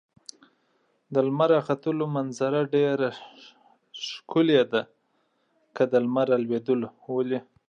د لمر راختلو منظره ډېره ښکلې ده ، که د لمر پرېوتلو ولې ؟